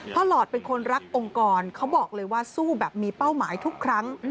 หลอดเป็นคนรักองค์กรเขาบอกเลยว่าสู้แบบมีเป้าหมายทุกครั้ง